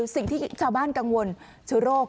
สิ่งที่ชาวบ้านกังวลเชื้อโรค